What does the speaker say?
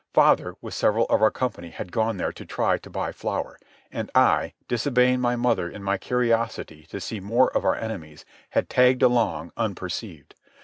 Father, with several of our company, had gone there to try to buy flour, and I, disobeying my mother in my curiosity to see more of our enemies, had tagged along unperceived.